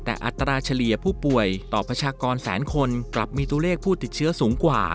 แต่อัตราเฉลี่ยผู้ป่วยต่อประชากรแสนคนกลับมีตัวเลขผู้ติดเชื้อสูงกว่า